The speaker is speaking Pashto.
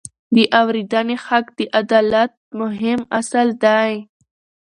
د اورېدنې حق د عدالت مهم اصل دی.